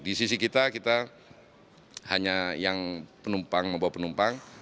di sisi kita kita hanya yang penumpang membawa penumpang